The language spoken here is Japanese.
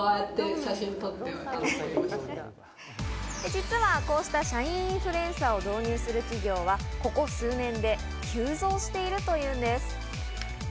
実はこうした社員インフルエンサーを導入する企業はここ数年で急増しているというんです。